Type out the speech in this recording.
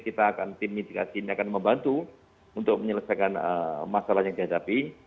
kita akan tim mitigasi ini akan membantu untuk menyelesaikan masalah yang dihadapi